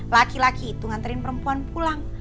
laki laki itu nganterin perempuan pulang